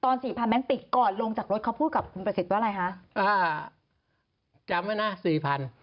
ตอน๔๐๐๐แบงค์ปีก่อนลงจากรถเขาพูดกับคุณประสิทธิ์ว่าอะไรคะ